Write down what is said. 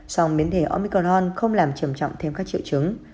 song biến thể omicron không làm trầm trọng thêm các triệu chứng